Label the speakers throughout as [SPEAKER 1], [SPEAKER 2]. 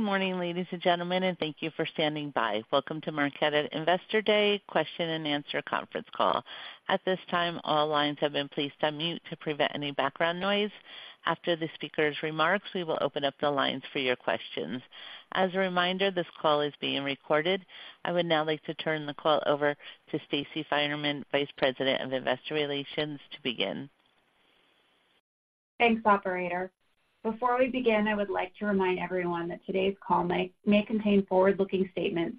[SPEAKER 1] Good morning, ladies and gentlemen, and thank you for standing by. Welcome to Marqeta Investor Day Question and Answer conference call. At this time, all lines have been placed on mute to prevent any background noise. After the speaker's remarks, we will open up the lines for your questions. As a reminder, this call is being recorded. I would now like to turn the call over to Stacey Finerman, Vice President of Investor Relations, to begin.
[SPEAKER 2] Thanks, operator. Before we begin, I would like to remind everyone that today's call may contain forward-looking statements,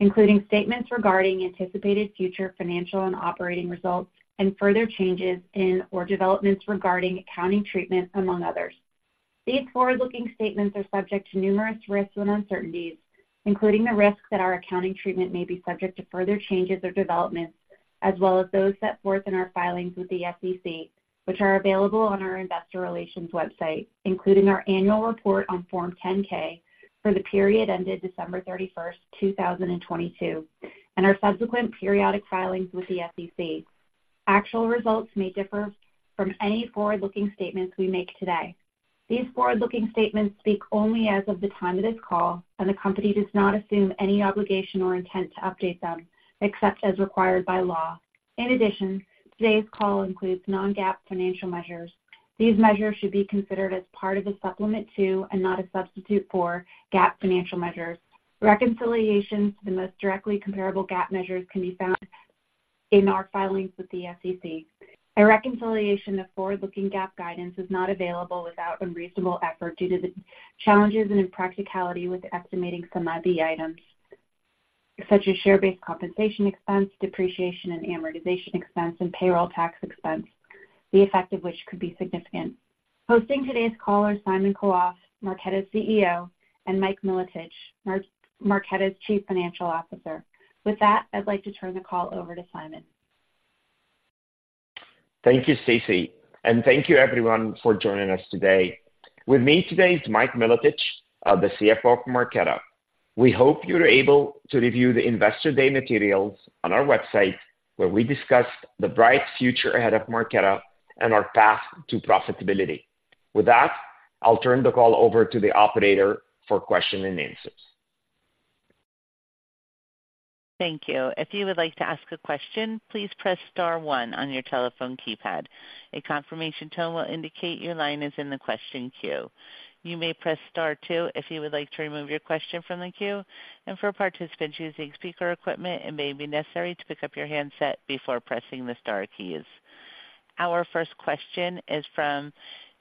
[SPEAKER 2] including statements regarding anticipated future financial and operating results and further changes in or developments regarding accounting treatment, among others. These forward-looking statements are subject to numerous risks and uncertainties, including the risk that our accounting treatment may be subject to further changes or developments, as well as those set forth in our filings with the SEC, which are available on our investor relations website, including our annual report on Form 10-K for the period ended December 31, 2022, and our subsequent periodic filings with the SEC. Actual results may differ from any forward-looking statements we make today. These forward-looking statements speak only as of the time of this call, and the company does not assume any obligation or intent to update them, except as required by law. In addition, today's call includes non-GAAP financial measures. These measures should be considered as part of a supplement to and not a substitute for GAAP financial measures. Reconciliations to the most directly comparable GAAP measures can be found in our filings with the SEC. A reconciliation of forward-looking GAAP guidance is not available without unreasonable effort due to the challenges and impracticality with estimating some of the items, such as share-based compensation expense, depreciation and amortization expense, and payroll tax expense, the effect of which could be significant. Hosting today's call are Simon Khalaf, Marqeta's CEO, and Mike Milotich, Marqeta's Chief Financial Officer. With that, I'd like to turn the call over to Simon.
[SPEAKER 3] Thank you, Stacey, and thank you everyone for joining us today. With me today is Mike Milotich, the CFO of Marqeta. We hope you're able to review the Investor Day materials on our website, where we discussed the bright future ahead of Marqeta and our path to profitability. With that, I'll turn the call over to the operator for question and answers.
[SPEAKER 1] Thank you. If you would like to ask a question, please press star one on your telephone keypad. A confirmation tone will indicate your line is in the question queue. You may press Star two if you would like to remove your question from the queue, and for participants using speaker equipment, it may be necessary to pick up your handset before pressing the star keys. Our first question is from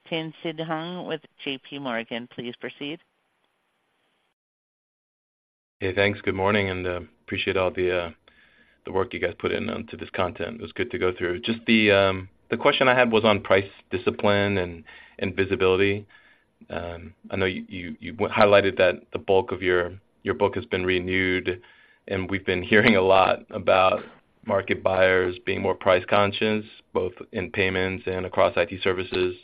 [SPEAKER 1] Tien-Tsin Huang with J.P. Morgan. Please proceed.
[SPEAKER 4] Hey, thanks. Good morning, and, appreciate all the, the work you guys put in to this content. It was good to go through. Just the, the question I had was on price, discipline, and, and visibility. I know you, you highlighted that the bulk of your, your book has been renewed, and we've been hearing a lot about market buyers being more price conscious, both in payments and across IT services.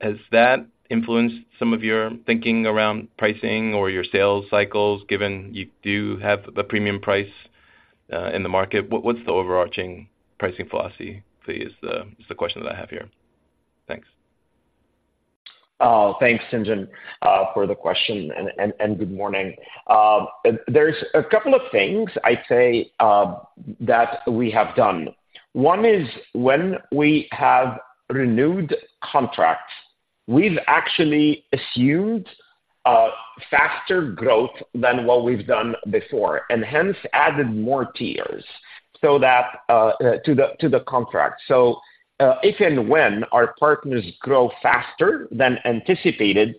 [SPEAKER 4] Has that influenced some of your thinking around pricing or your sales cycles, given you do have the premium price, in the market? What's the overarching pricing philosophy, please, is the, is the question that I have here. Thanks.
[SPEAKER 3] Thanks, Tien-Tsin, for the question, and good morning. There's a couple of things I'd say that we have done. One is when we have renewed contracts, we've actually assumed faster growth than what we've done before, and hence added more tiers, so that to the contract. So if and when our partners grow faster than anticipated,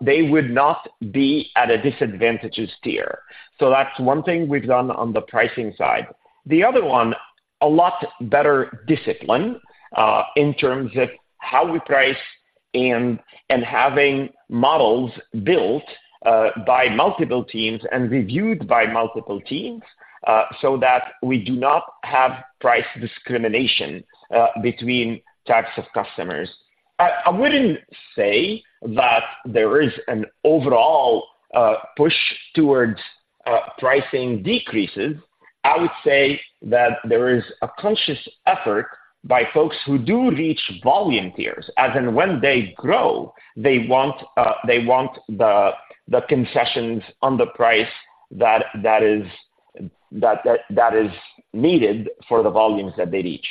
[SPEAKER 3] they would not be at a disadvantageous tier. So that's one thing we've done on the pricing side. The other one, a lot better discipline in terms of how we price and having models built by multiple teams and reviewed by multiple teams, so that we do not have price discrimination between types of customers. I wouldn't say that there is an overall push towards pricing decreases. I would say that there is a conscious effort by folks who do reach volume tiers, as in when they grow, they want the concessions on the price that is needed for the volumes that they reach.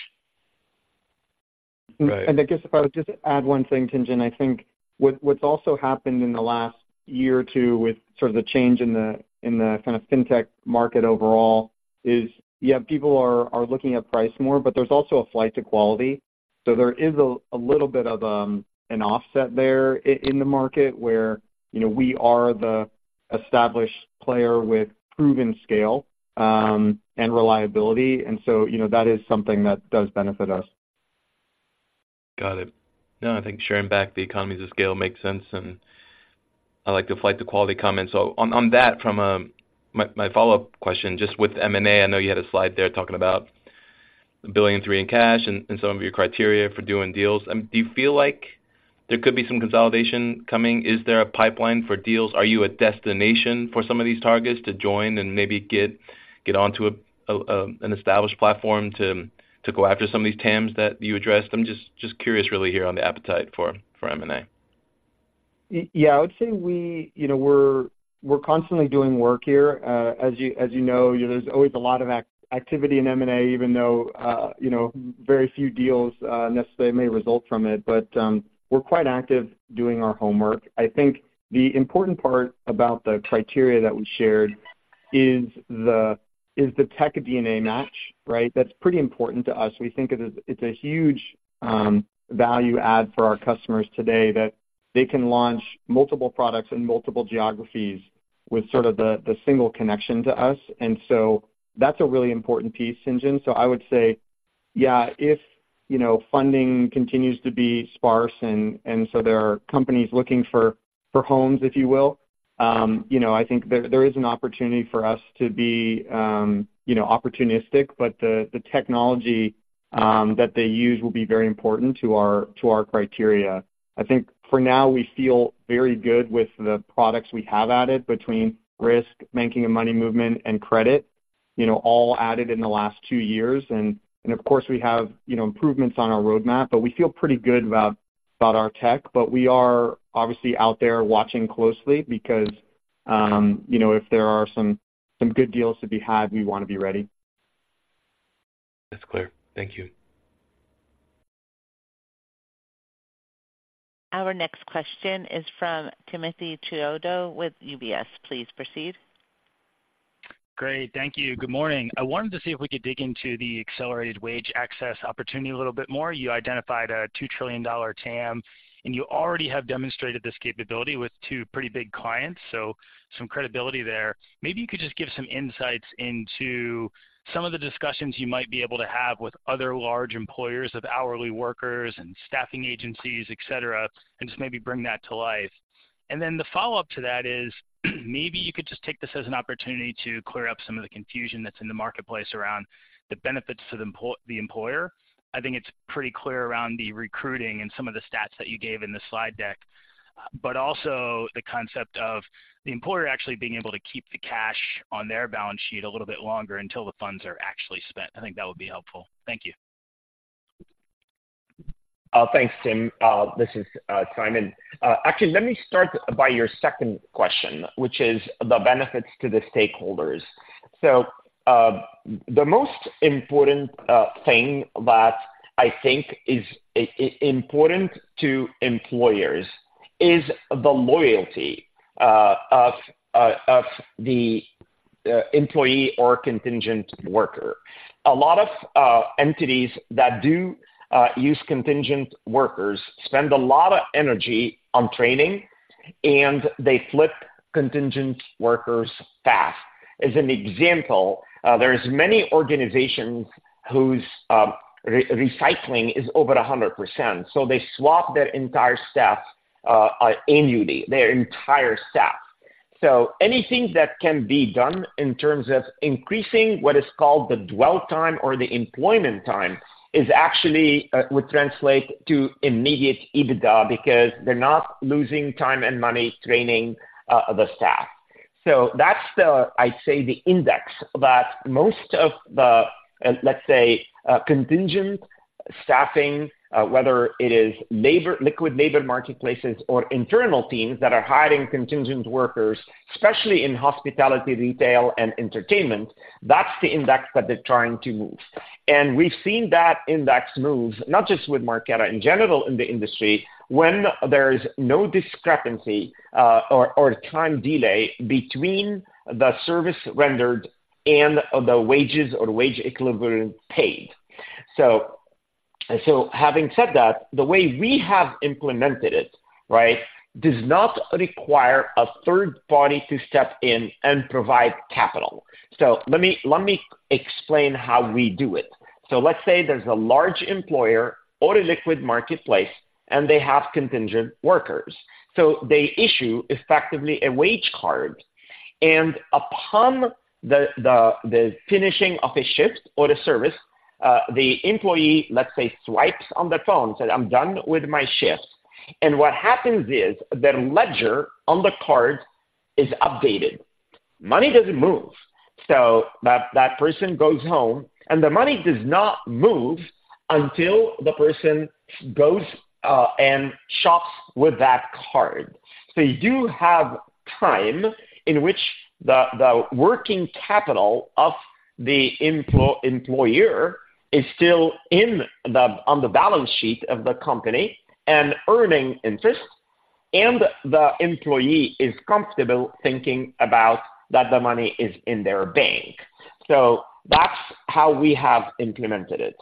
[SPEAKER 4] Right.
[SPEAKER 5] I guess if I would just add one thing, Tien-Tsin, I think what's also happened in the last year or two with sort of the change in the kind of fintech market overall is, yeah, people are looking at price more, but there's also a flight to quality. So there is a little bit of an offset there in the market where, you know, we are the established player with proven scale and reliability. And so, you know, that is something that does benefit us.
[SPEAKER 4] Got it. No, I think sharing back the economies of scale makes sense, and I like the flight to quality comments. So on that, from my follow-up question, just with M&A, I know you had a slide there talking about $1.3 billion in cash and some of your criteria for doing deals. Do you feel like there could be some consolidation coming? Is there a pipeline for deals? Are you a destination for some of these targets to join and maybe get onto an established platform to go after some of these TAMs that you addressed? I'm just curious really here on the appetite for M&A....
[SPEAKER 5] Yeah, I would say we, you know, we're constantly doing work here. As you know, there's always a lot of activity in M&A, even though, you know, very few deals necessarily may result from it. But we're quite active doing our homework. I think the important part about the criteria that we shared is the tech DNA match, right? That's pretty important to us. We think it is, it's a huge value add for our customers today, that they can launch multiple products in multiple geographies with sort of the single connection to us. And so that's a really important piece, Simon. So I would say, yeah, if, you know, funding continues to be sparse, and so there are companies looking for homes, if you will, you know, I think there is an opportunity for us to be, you know, opportunistic. But the technology that they use will be very important to our criteria. I think for now, we feel very good with the products we have added between risk, banking and money movement, and credit, you know, all added in the last two years. And of course, we have, you know, improvements on our roadmap, but we feel pretty good about our tech. But we are obviously out there watching closely because, you know, if there are some good deals to be had, we want to be ready.
[SPEAKER 6] That's clear. Thank you.
[SPEAKER 1] Our next question is from Timothy Chiodo with UBS. Please proceed.
[SPEAKER 7] Great. Thank you. Good morning. I wanted to see if we could dig into the accelerated wage access opportunity a little bit more. You identified a $2 trillion TAM, and you already have demonstrated this capability with two pretty big clients, so some credibility there. Maybe you could just give some insights into some of the discussions you might be able to have with other large employers of hourly workers and staffing agencies, et cetera, and just maybe bring that to life. And then the follow-up to that is, maybe you could just take this as an opportunity to clear up some of the confusion that's in the marketplace around the benefits to the employer. I think it's pretty clear around the recruiting and some of the stats that you gave in the slide deck, but also the concept of the employer actually being able to keep the cash on their balance sheet a little bit longer until the funds are actually spent. I think that would be helpful. Thank you.
[SPEAKER 3] Thanks, Tim. This is Simon. Actually, let me start by your second question, which is the benefits to the stakeholders. So, the most important thing that I think is important to employers is the loyalty of the employee or contingent worker. A lot of entities that do use contingent workers spend a lot of energy on training, and they flip contingent workers fast. As an example, there is many organizations whose recycling is over 100%, so they swap their entire staff annually, their entire staff. So anything that can be done in terms of increasing what is called the dwell time or the employment time is actually would translate to immediate EBITDA because they're not losing time and money training the staff. So that's the... I'd say, the index, that most of the, let's say, contingent staffing, whether it is labor-- liquid labor marketplaces or internal teams that are hiring contingent workers, especially in hospitality, retail, and entertainment, that's the index that they're trying to move. And we've seen that index move, not just with Marqeta, in general in the industry, when there is no discrepancy, or time delay between the service rendered and the wages or wage equivalent paid. So having said that, the way we have implemented it, right, does not require a third party to step in and provide capital. So let me explain how we do it. So let's say there's a large employer or a liquid marketplace, and they have contingent workers. So they issue, effectively, a wage card, and upon the finishing of a shift or a service, the employee, let's say, swipes on their phone, says, "I'm done with my shift." And what happens is, the ledger on the card is updated. Money doesn't move, so that person goes home, and the money does not move until the person goes and shops with that card. So you do have time in which the working capital of the employer is still on the balance sheet of the company and earning interest, and the employee is comfortable thinking about that the money is in their bank. So that's how we have implemented it.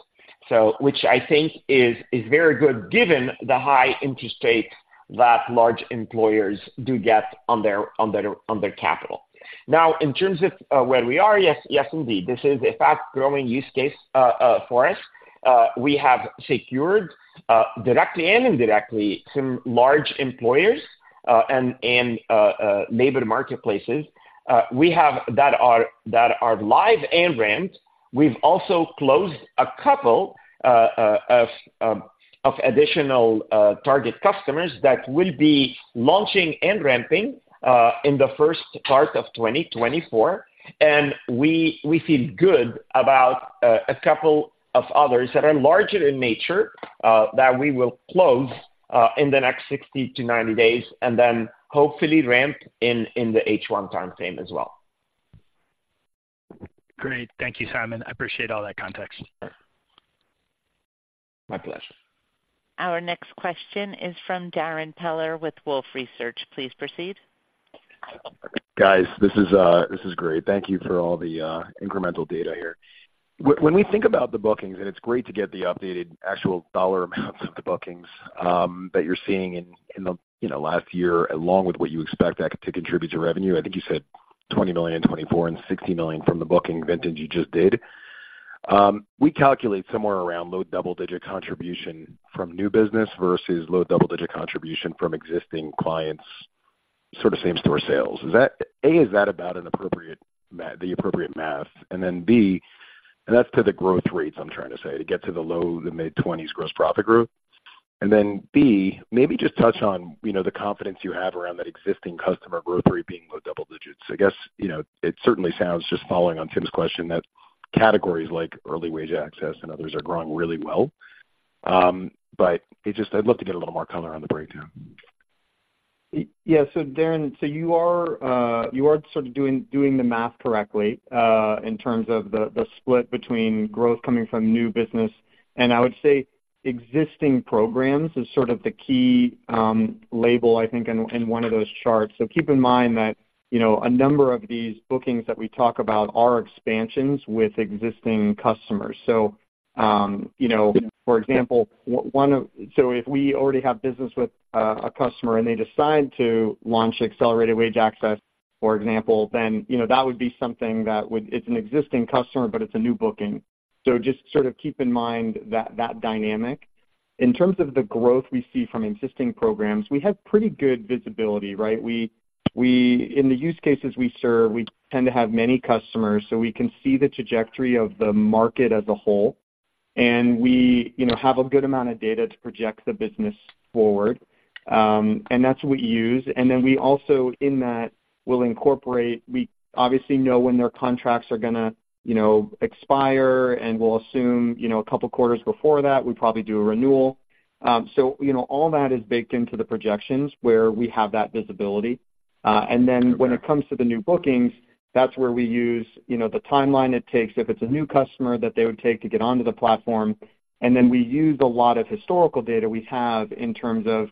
[SPEAKER 3] So which I think is very good, given the high interest rate that large employers do get on their capital. Now, in terms of where we are, yes, yes, indeed. This is a fast-growing use case for us. We have secured directly and indirectly some large employers and labor marketplaces that are live and ramped. We've also closed a couple of additional target customers that will be launching and ramping in the first part of 2024. And we feel good about a couple of others that are larger in nature that we will close in the next 60-90 days, and then hopefully ramp in the H1 timeframe as well.
[SPEAKER 7] Great. Thank you, Simon. I appreciate all that context.
[SPEAKER 3] My pleasure.
[SPEAKER 1] Our next question is from Darren Peller with Wolfe Research. Please proceed.
[SPEAKER 8] Guys, this is great. Thank you for all the incremental data here. When we think about the bookings, and it's great to get the updated actual dollar amounts of the bookings that you're seeing in the, you know, last year, along with what you expect that to contribute to revenue. I think you said $20 million in 2024 and $60 million from the booking vintage you just did. We calculate somewhere around low double-digit contribution from new business versus low double-digit contribution from existing clients, sort of same-store sales. Is that A, is that about the appropriate math? And then B. And that's to the growth rates, I'm trying to say, to get to the low to mid-20s gross profit growth. And then, B, maybe just touch on, you know, the confidence you have around that existing customer growth rate being low double digits. I guess, you know, it certainly sounds, just following on Tim's question, that categories like earned wage access and others are growing really well. But it just—I'd love to get a little more color on the breakdown.
[SPEAKER 5] Yeah, so Darren, so you are, you are sort of doing the math correctly, in terms of the split between growth coming from new business. And I would say existing programs is sort of the key label, I think, in one of those charts. So keep in mind that, you know, a number of these bookings that we talk about are expansions with existing customers. So, you know, for example, one of -- so if we already have business with a customer and they decide to launch Accelerated Wage Access, for example, then, you know, that would be something that would -- it's an existing customer, but it's a new booking. So just sort of keep in mind that dynamic. In terms of the growth we see from existing programs, we have pretty good visibility, right? We in the use cases we serve, we tend to have many customers, so we can see the trajectory of the market as a whole, and we, you know, have a good amount of data to project the business forward. And that's what we use. And then we also, in that, will incorporate. We obviously know when their contracts are gonna, you know, expire, and we'll assume, you know, a couple of quarters before that, we probably do a renewal. So, you know, all that is baked into the projections where we have that visibility. And then when it comes to the new bookings, that's where we use, you know, the timeline it takes, if it's a new customer, that they would take to get onto the platform. And then we use a lot of historical data we have in terms of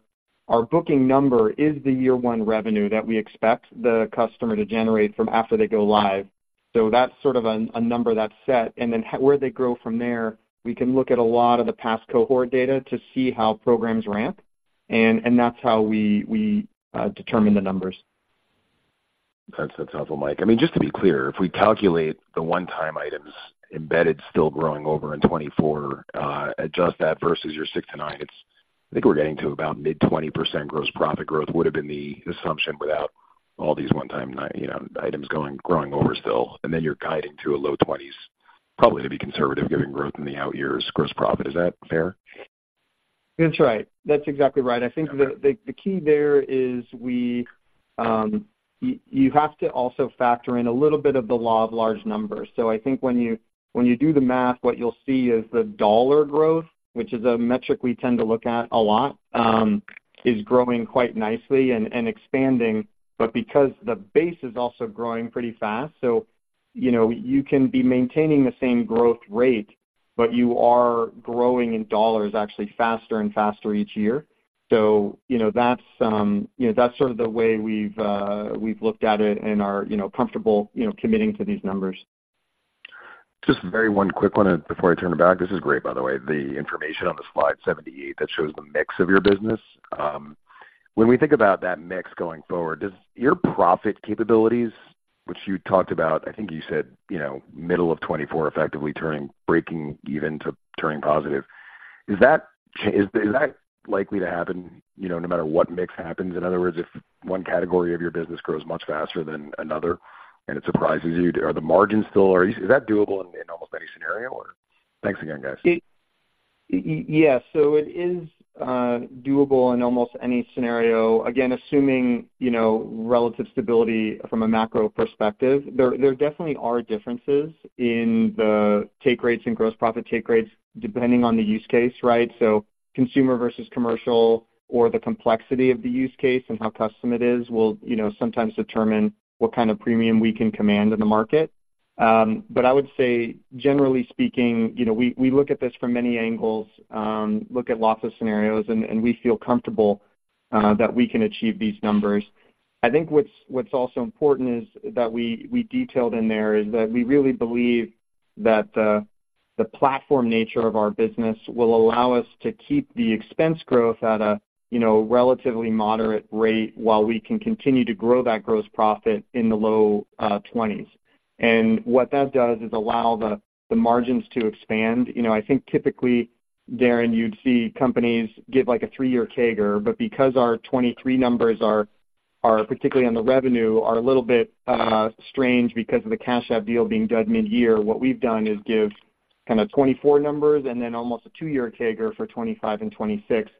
[SPEAKER 5] our booking number is the year one revenue that we expect the customer to generate from after they go live. So that's sort of a, a number that's set. And then where they grow from there, we can look at a lot of the past cohort data to see how programs ramp, and that's how we determine the numbers.
[SPEAKER 8] That's helpful, Mike. I mean, just to be clear, if we calculate the one-time items embedded, still growing over in 2024, adjust that versus your 6-9, it's, I think we're getting to about mid-20% gross profit growth, would've been the assumption without all these one-time, you know, items going, growing over still. And then you're guiding to a low 20s, probably to be conservative, giving growth in the out years gross profit. Is that fair?
[SPEAKER 5] That's right. That's exactly right. I think the key there is we, you have to also factor in a little bit of the law of large numbers. So I think when you, when you do the math, what you'll see is the dollar growth, which is a metric we tend to look at a lot, is growing quite nicely and expanding, but because the base is also growing pretty fast, so, you know, you can be maintaining the same growth rate, but you are growing in dollars actually faster and faster each year. So, you know, that's sort of the way we've we've looked at it and are, you know, comfortable, you know, committing to these numbers.
[SPEAKER 8] Just a very one quick one before I turn it back. This is great, by the way, the information on the slide 78 that shows the mix of your business. When we think about that mix going forward, does your profit capabilities, which you talked about, I think you said, you know, middle of 2024, effectively turning, breaking even to turning positive. Is that likely to happen, you know, no matter what mix happens? In other words, if one category of your business grows much faster than another and it surprises you, are the margins still... Is that doable in almost any scenario or? Thanks again, guys.
[SPEAKER 5] Yes, so it is doable in almost any scenario. Again, assuming, you know, relative stability from a macro perspective. There definitely are differences in the take rates and gross profit take rates, depending on the use case, right? So consumer versus commercial or the complexity of the use case and how custom it is, will, you know, sometimes determine what kind of premium we can command in the market. But I would say, generally speaking, you know, we look at this from many angles, look at lots of scenarios, and we feel comfortable that we can achieve these numbers. I think what's, what's also important is that we, we detailed in there is that we really believe that the platform nature of our business will allow us to keep the expense growth at a, you know, relatively moderate rate while we can continue to grow that gross profit in the low 20s. And what that does is allow the, the margins to expand. You know, I think typically, Darren, you'd see companies give like a 3-year CAGR, but because our 2023 numbers are, are, particularly on the revenue, are a little bit strange because of the Cash App deal being done mid-year, what we've done is give kinda 2024 numbers and then almost a 2-year CAGR for 2025 and 2026.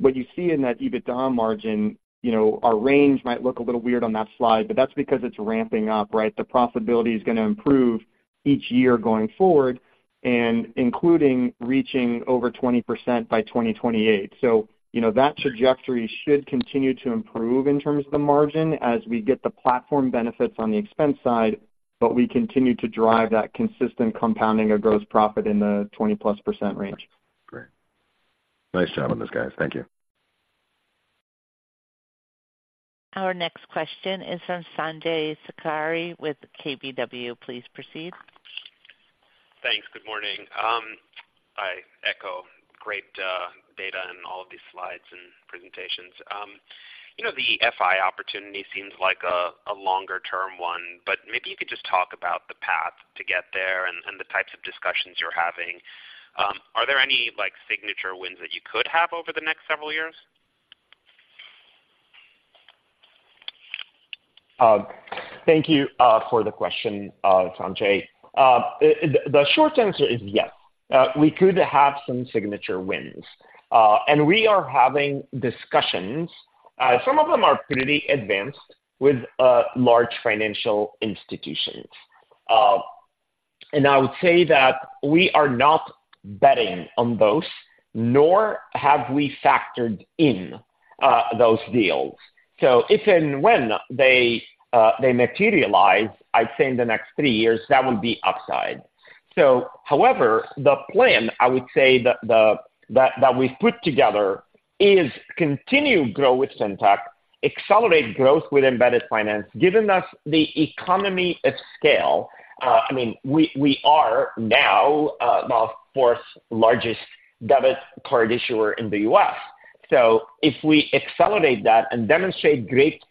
[SPEAKER 5] What you see in that EBITDA margin, you know, our range might look a little weird on that slide, but that's because it's ramping up, right? The profitability is gonna improve each year going forward... and including reaching over 20% by 2028. So, you know, that trajectory should continue to improve in terms of the margin as we get the platform benefits on the expense side, but we continue to drive that consistent compounding of gross profit in the 20%+ range.
[SPEAKER 9] Great. Nice job on this, guys. Thank you.
[SPEAKER 1] Our next question is from Sanjay Sakhrani with KBW. Please proceed.
[SPEAKER 10] Thanks. Good morning. I echo great data in all of these slides and presentations. You know, the FI opportunity seems like a longer-term one, but maybe you could just talk about the path to get there and the types of discussions you're having. Are there any, like, signature wins that you could have over the next several years?
[SPEAKER 3] Thank you for the question, Sanjay. The short answer is yes. We could have some signature wins. And we are having discussions, some of them are pretty advanced with large financial institutions. And I would say that we are not betting on those, nor have we factored in those deals. So if and when they materialize, I'd say in the next three years, that would be upside. So however, the plan, I would say, that we've put together is continue grow with Fintech, accelerate growth with embedded finance, giving us the economy of scale. I mean, we are now the fourth largest debit card issuer in the U.S. So if we accelerate that and demonstrate great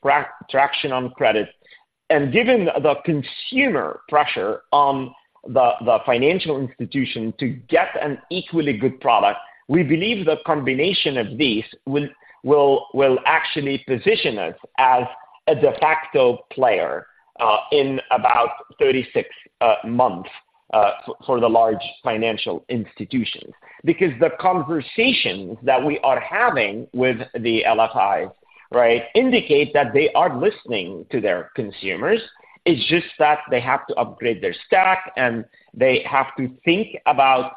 [SPEAKER 3] traction on credit, and given the consumer pressure on the financial institution to get an equally good product, we believe the combination of these will, will, will actually position us as a de facto player in about 36 months for the large financial institutions. Because the conversations that we are having with the LFIs, right, indicate that they are listening to their consumers. It's just that they have to upgrade their stack, and they have to think about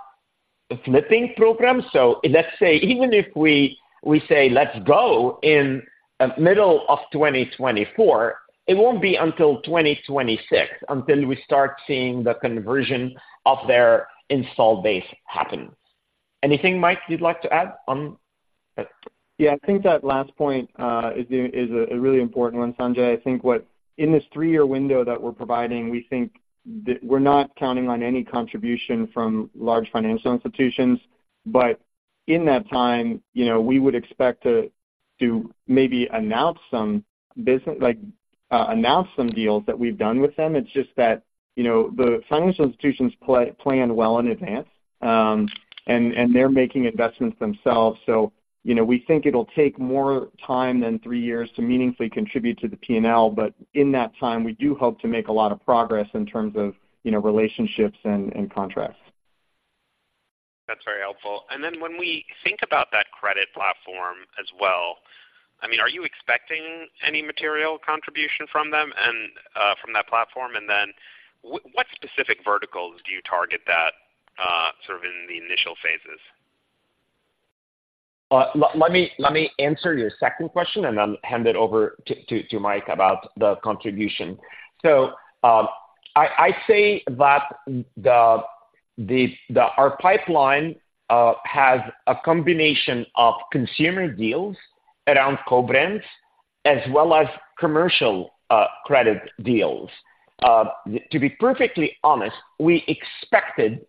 [SPEAKER 3] flipping programs. So let's say, even if we say, "Let's go," in middle of 2024, it won't be until 2026 until we start seeing the conversion of their install base happen. Anything, Mike, you'd like to add on?
[SPEAKER 5] Yeah, I think that last point is a really important one, Sanjay. I think in this three-year window that we're providing, we think that we're not counting on any contribution from large financial institutions. But in that time, you know, we would expect to maybe announce some business, like announce some deals that we've done with them. It's just that, you know, the financial institutions plan well in advance, and they're making investments themselves. So, you know, we think it'll take more time than three years to meaningfully contribute to the P&L, but in that time, we do hope to make a lot of progress in terms of, you know, relationships and contracts.
[SPEAKER 10] That's very helpful. And then when we think about that credit platform as well, I mean, are you expecting any material contribution from them and from that platform? And then what specific verticals do you target that sort of in the initial phases?
[SPEAKER 3] Let me answer your second question and then hand it over to Mike about the contribution. So, I say that our pipeline has a combination of consumer deals around co-brands as well as commercial credit deals. To be perfectly honest, we expected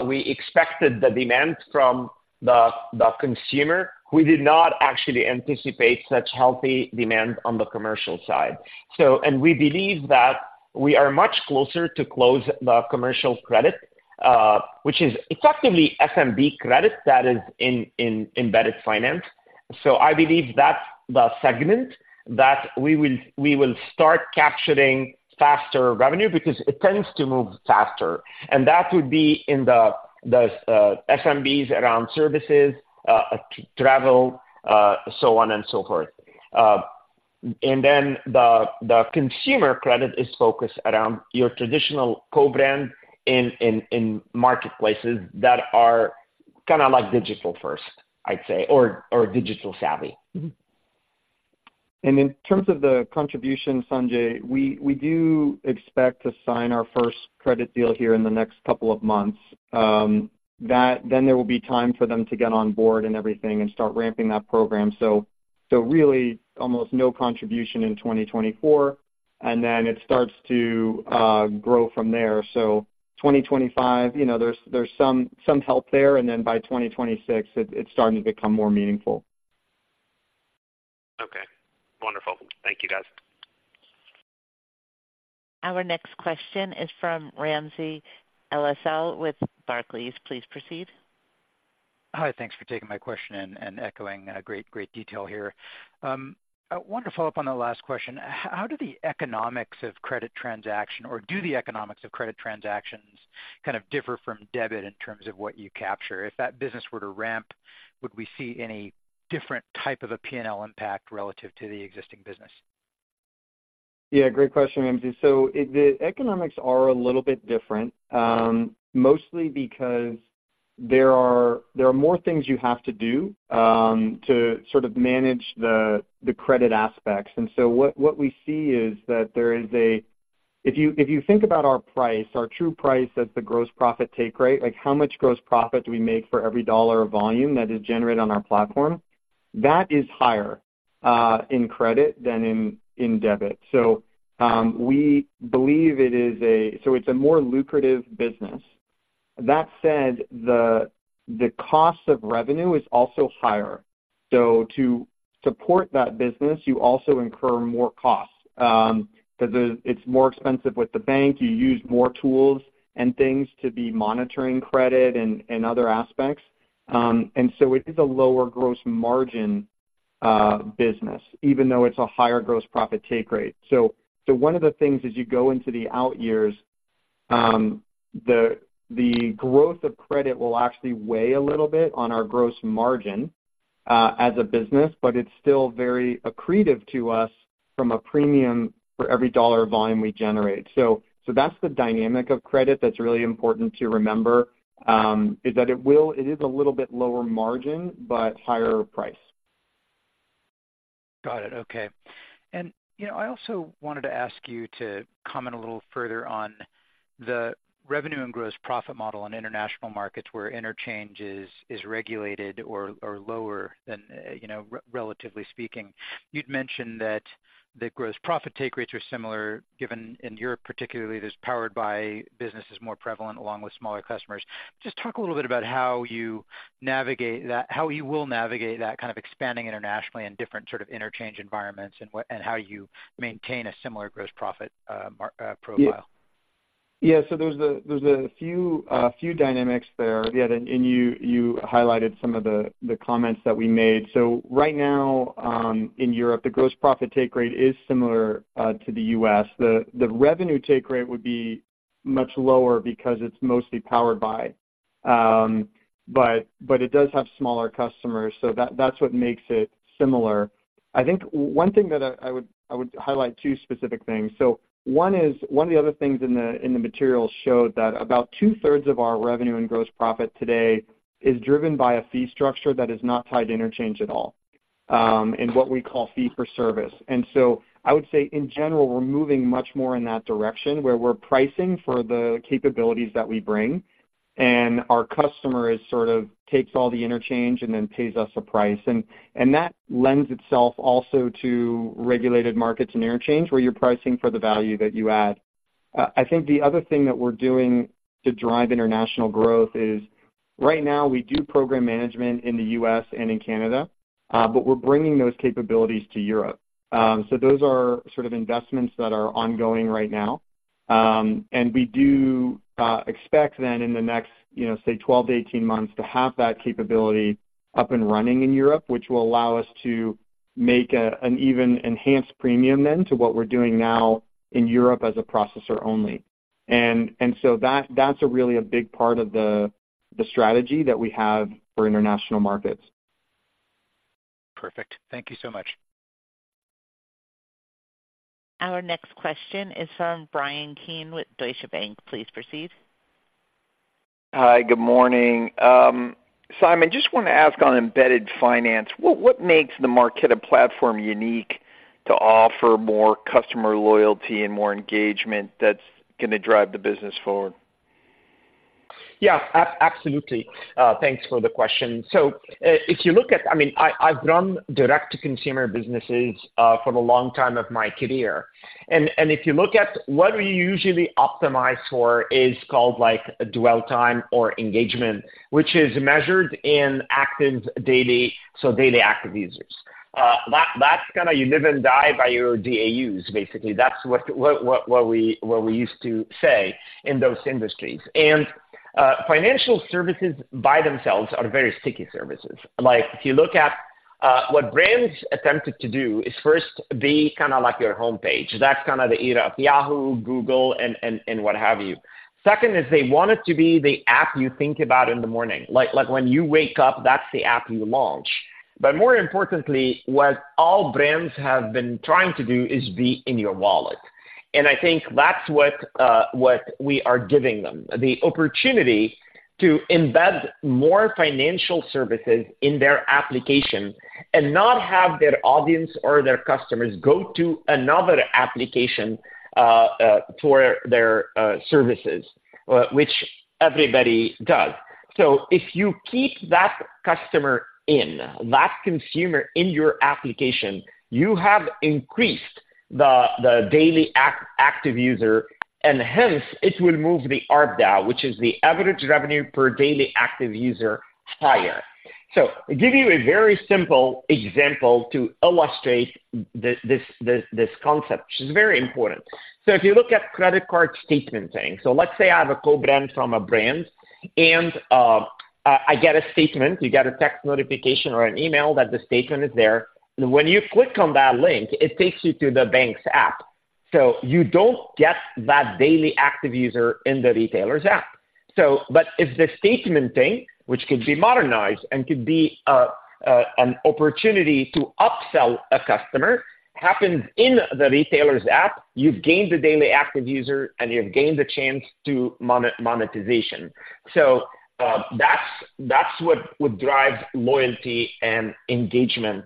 [SPEAKER 3] the demand from the consumer. We did not actually anticipate such healthy demand on the commercial side. So... And we believe that we are much closer to close the commercial credit, which is effectively SMB credit that is in embedded finance. So I believe that's the segment that we will start capturing faster revenue because it tends to move faster, and that would be in the SMBs around services, travel, so on and so forth. Then the consumer credit is focused around your traditional co-brand in marketplaces that are kind of like digital-first, I'd say, or digital-savvy.
[SPEAKER 5] Mm-hmm. And in terms of the contribution, Sanjay, we, we do expect to sign our first credit deal here in the next couple of months. That... Then there will be time for them to get on board and everything and start ramping that program. So, so really, almost no contribution in 2024, and then it starts to grow from there. So 2025, you know, there's, there's some, some help there, and then by 2026, it, it's starting to become more meaningful.
[SPEAKER 10] Okay. Wonderful. Thank you, guys.
[SPEAKER 1] Our next question is from Ramsey El-Assal with Barclays. Please proceed.
[SPEAKER 6] Hi, thanks for taking my question and echoing great, great detail here. I want to follow up on the last question. How do the economics of credit transaction, or do the economics of credit transactions kind of differ from debit in terms of what you capture? If that business were to ramp, would we see any different type of a P&L impact relative to the existing business?...
[SPEAKER 5] Yeah, great question, Ramsey. So, the economics are a little bit different, mostly because there are more things you have to do to sort of manage the credit aspects. And so what we see is that there is a—if you think about our price, our true price as the gross profit take rate, like how much gross profit do we make for every dollar of volume that is generated on our platform? That is higher in credit than in debit. So, we believe it is a—so it's a more lucrative business. That said, the cost of revenue is also higher. So to support that business, you also incur more costs. Because it's more expensive with the bank, you use more tools and things to be monitoring credit and other aspects. And so it is a lower gross margin business, even though it's a higher gross profit take rate. So one of the things as you go into the out years, the growth of credit will actually weigh a little bit on our gross margin as a business, but it's still very accretive to us from a premium for every dollar of volume we generate. So that's the dynamic of credit that's really important to remember, is that it will... It is a little bit lower margin, but higher price.
[SPEAKER 6] Got it. Okay. And, you know, I also wanted to ask you to comment a little further on the revenue and gross profit model in international markets, where interchange is regulated or lower than, you know, relatively speaking. You'd mentioned that the gross profit take rates are similar, given in Europe, particularly, this powered by business is more prevalent along with smaller customers. Just talk a little bit about how you navigate that, how you will navigate that kind of expanding internationally in different sort of interchange environments and what, and how you maintain a similar gross profit margin profile.
[SPEAKER 5] Yeah, so there's a, there's a few, few dynamics there. Yeah, and you highlighted some of the comments that we made. So right now, in Europe, the gross profit take rate is similar to the U.S. The revenue take rate would be much lower because it's mostly powered by, but it does have smaller customers, so that's what makes it similar. I think one thing that I would highlight two specific things. So one is, one of the other things in the materials showed that about two-thirds of our revenue and gross profit today is driven by a fee structure that is not tied to interchange at all, in what we call fee for service. And so I would say, in general, we're moving much more in that direction, where we're pricing for the capabilities that we bring, and our customer is sort of takes all the interchange and then pays us a price. And that lends itself also to regulated markets and interchange, where you're pricing for the value that you add. I think the other thing that we're doing to drive international growth is, right now, we do program management in the U.S. and in Canada, but we're bringing those capabilities to Europe. So those are sort of investments that are ongoing right now. And we do expect then in the next, you know, say, 12-18 months, to have that capability up and running in Europe, which will allow us to make an even enhanced premium then to what we're doing now in Europe as a processor only. And so that's a really big part of the strategy that we have for international markets.
[SPEAKER 6] Perfect. Thank you so much.
[SPEAKER 1] Our next question is from Brian Keane with Deutsche Bank. Please proceed.
[SPEAKER 11] Hi, good morning. Simon, just want to ask on embedded finance, what makes the Marqeta platform unique to offer more customer loyalty and more engagement that's going to drive the business forward?
[SPEAKER 3] Yeah, absolutely. Thanks for the question. So, if you look at... I mean, I've run direct-to-consumer businesses for a long time of my career. And if you look at what we usually optimize for is called, like, dwell time or engagement, which is measured in active daily, so daily active users. That's kinda you live and die by your DAUs, basically. That's what we used to say in those industries. And financial services by themselves are very sticky services. Like, if you look at what brands attempted to do is first be kind of like your homepage. That's kind of the era of Yahoo, Google, and what have you. Second is they want it to be the app you think about in the morning.
[SPEAKER 5] Like, when you wake up, that's the app you launch. But more importantly, what all brands have been trying to do is be in your wallet. And I think that's what we are giving them, the opportunity to embed more financial services in their application and not have their audience or their customers go to another application for their services, which everybody does. So if you keep that customer in, that consumer in your application, you have increased the daily active user, and hence, it will move the ARPDAU, which is the average revenue per daily active user, higher. So to give you a very simple example to illustrate this concept, which is very important. If you look at credit card statement thing, so let's say I have a co-brand from a brand, and I get a statement, you get a text notification or an email that the statement is there. When you click on that link, it takes you to the bank's app. So you don't get that daily active user in the retailer's app....
[SPEAKER 3] So but if the statementing, which could be modernized and could be an opportunity to upsell a customer, happens in the retailer's app, you've gained a daily active user, and you've gained a chance to monetization. So, that's what would drive loyalty and engagement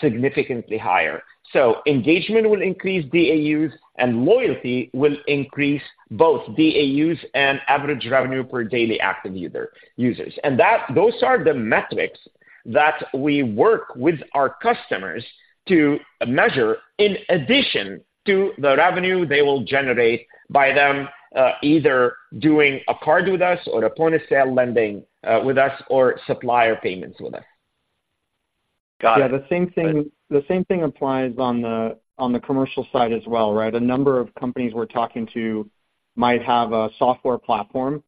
[SPEAKER 3] significantly higher. So engagement will increase DAUs, and loyalty will increase both DAUs and average revenue per daily active user, users. And those are the metrics that we work with our customers to measure in addition to the revenue they will generate by them either doing a card with us or a point-of-sale lending with us or supplier payments with us.
[SPEAKER 11] Got it.
[SPEAKER 5] Yeah, the same thing, the same thing applies on the, on the commercial side as well, right? A number of companies we're talking to might have a software platform,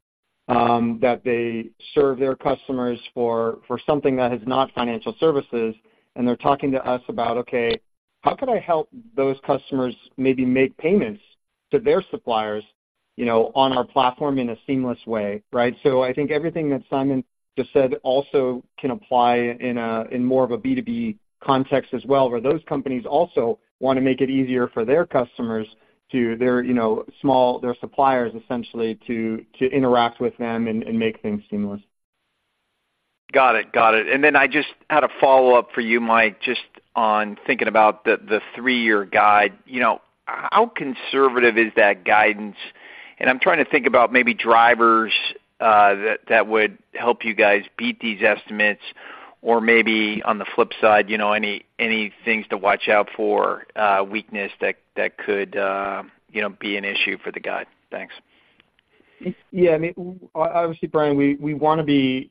[SPEAKER 5] that they serve their customers for, for something that is not financial services, and they're talking to us about, okay, how could I help those customers maybe make payments to their suppliers, you know, on our platform in a seamless way, right? So I think everything that Simon just said also can apply in a, in more of a B2B context as well, where those companies also wanna make it easier for their customers to their, you know, small, their suppliers, essentially, to, to interact with them and, and make things seamless.
[SPEAKER 11] Got it. Got it. And then I just had a follow-up for you, Mike, just on thinking about the three-year guide. You know, how conservative is that guidance? And I'm trying to think about maybe drivers that would help you guys beat these estimates or maybe on the flip side, you know, any things to watch out for, weakness that could, you know, be an issue for the guide. Thanks.
[SPEAKER 5] Yeah, I mean, obviously, Brian, we, we wanna be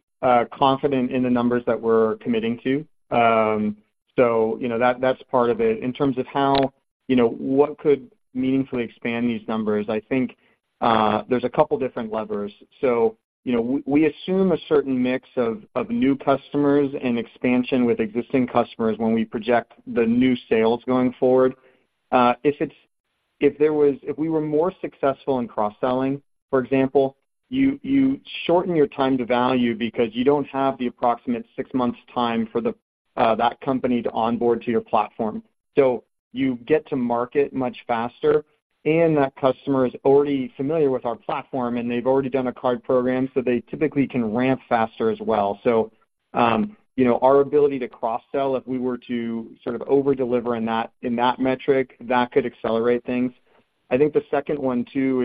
[SPEAKER 5] confident in the numbers that we're committing to. So you know, that, that's part of it. In terms of how, you know, what could meaningfully expand these numbers, I think, there's a couple different levers. So, you know, we assume a certain mix of new customers and expansion with existing customers when we project the new sales going forward. If we were more successful in cross-selling, for example, you, you shorten your time to value because you don't have the approximate six months' time for that company to onboard to your platform. So you get to market much faster, and that customer is already familiar with our platform, and they've already done a card program, so they typically can ramp faster as well. So, you know, our ability to cross-sell, if we were to sort of over-deliver in that, in that metric, that could accelerate things. I think the second one, too,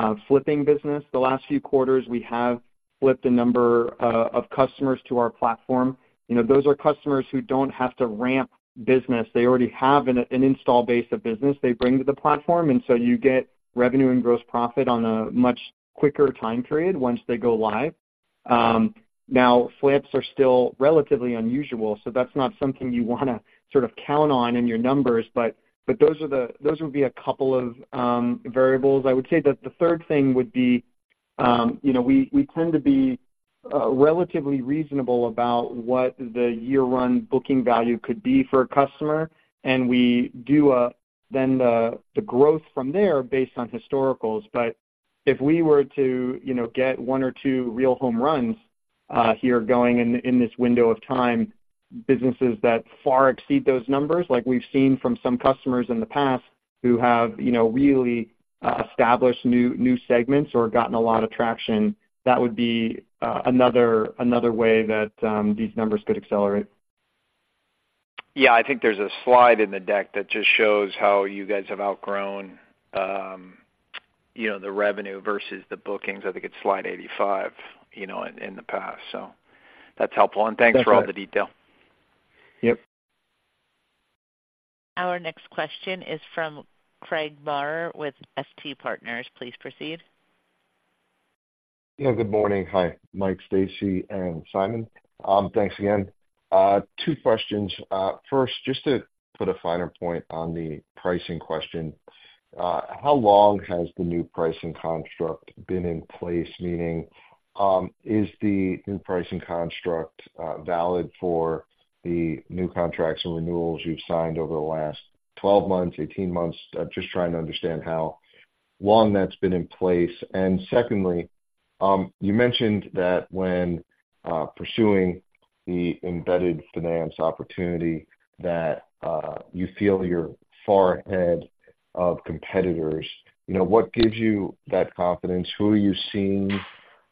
[SPEAKER 5] is flipping business. The last few quarters, we have flipped a number of customers to our platform. You know, those are customers who don't have to ramp business. They already have an install base of business they bring to the platform, and so you get revenue and gross profit on a much quicker time period once they go live. Now, flips are still relatively unusual, so that's not something you wanna sort of count on in your numbers, but those would be a couple of variables. I would say that the third thing would be, you know, we tend to be relatively reasonable about what the year-one booking value could be for a customer, and we do then the growth from there based on historicals. But if we were to, you know, get one or two real home runs, here going in, in this window of time, businesses that far exceed those numbers, like we've seen from some customers in the past who have, you know, really established new segments or gotten a lot of traction, that would be another way that these numbers could accelerate.
[SPEAKER 11] Yeah, I think there's a slide in the deck that just shows how you guys have outgrown, you know, the revenue versus the bookings. I think it's slide 85, you know, in the past, so that's helpful.
[SPEAKER 5] That's right.
[SPEAKER 11] Thanks for all the detail.
[SPEAKER 5] Yep. Our next question is from Craig Barr with FT Partners. Please proceed.
[SPEAKER 12] Yeah, good morning. Hi, Mike, Stacey, and Simon. Thanks again. Two questions. First, just to put a finer point on the pricing question, how long has the new pricing construct been in place? Meaning, is the new pricing construct valid for the new contracts and renewals you've signed over the last 12 months, 18 months? I'm just trying to understand how long that's been in place. And secondly, you mentioned that when pursuing the embedded finance opportunity, that you feel you're far ahead of competitors. You know, what gives you that confidence? Who are you seeing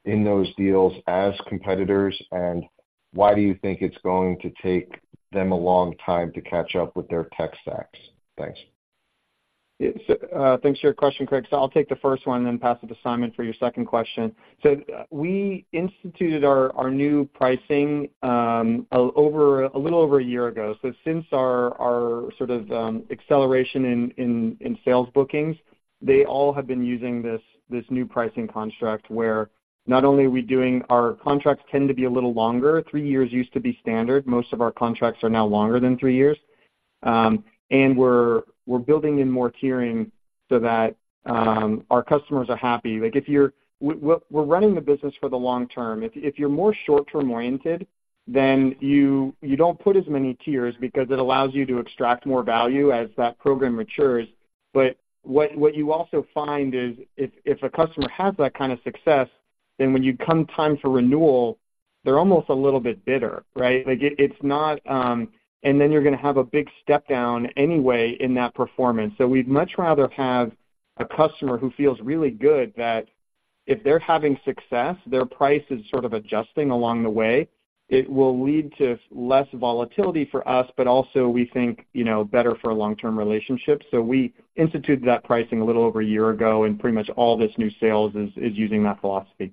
[SPEAKER 12] in those deals as competitors, and why do you think it's going to take them a long time to catch up with their tech stacks? Thanks.
[SPEAKER 5] Yeah. So, thanks for your question, Craig. So I'll take the first one, then pass it to Simon for your second question. So we instituted our new pricing over a little over a year ago. So since our sort of acceleration in sales bookings, they all have been using this new pricing construct, where not only are we doing... Our contracts tend to be a little longer. Three years used to be standard. Most of our contracts are now longer than three years. And we're building in more tiering so that our customers are happy. Like, if you're -- we're running the business for the long term. If you're more short-term oriented, then you don't put as many tiers because it allows you to extract more value as that program matures. But what you also find is if a customer has that kind of success, then when you come time for renewal, they're almost a little bit bitter, right? Like, it's not— And then you're going to have a big step down anyway in that performance. So we'd much rather have a customer who feels really good that if they're having success, their price is sort of adjusting along the way. It will lead to less volatility for us, but also, we think, you know, better for a long-term relationship. So we instituted that pricing a little over a year ago, and pretty much all this new sales is using that philosophy.